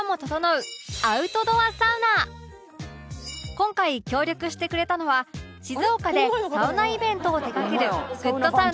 今回協力してくれたのは静岡でサウナイベントを手がける